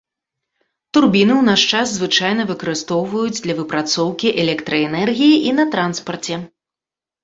Турбіны ў наш час звычайна выкарыстоўваюць для выпрацоўкі электраэнергіі і на транспарце.